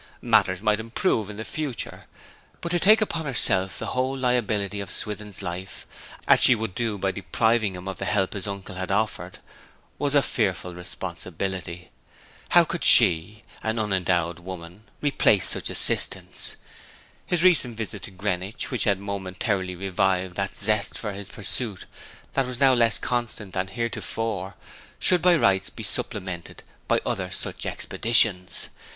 Matters might improve in the future; but to take upon herself the whole liability of Swithin's life, as she would do by depriving him of the help his uncle had offered, was a fearful responsibility. How could she, an unendowed woman, replace such assistance? His recent visit to Greenwich, which had momentarily revived that zest for his pursuit that was now less constant than heretofore, should by rights be supplemented by other such expeditions.